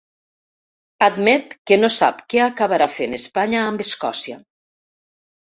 Admet que no sap què acabarà fent Espanya amb Escòcia.